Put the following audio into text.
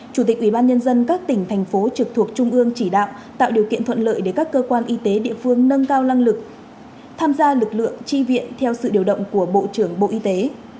chủ tịch ubnd các tỉnh thành phố trực thuộc trung ương chỉ đạo tạo điều kiện thuận lợi để các cơ quan y tế địa phương nâng cao năng lực tham gia lực lượng tri viện theo sự điều động của bộ trưởng bộ y tế